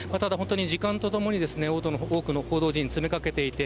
時間とともに多くの報道陣が詰め掛けていて